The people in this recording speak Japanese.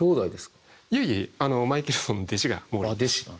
いえいえマイケルソンの弟子がモーリー。